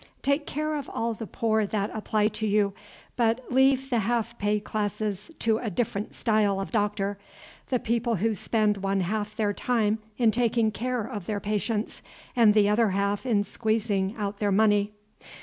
Take care of all the poor that apply to you, but leave the half pay classes to a different style of doctor, the people who spend one half their time in taking care of their patients, and the other half in squeezing out their money.